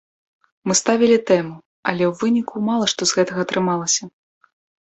Мы ставілі тэму, але ў выніку мала што з гэтага атрымалася.